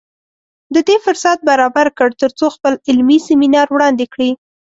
د دې فرصت برابر کړ تر څو خپل علمي سیمینار وړاندې کړي